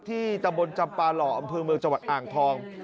ตำบลจำปาหล่ออำเภอเมืองจังหวัดอ่างทอง